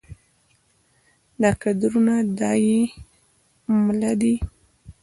دا کدرونه دا يې مله دي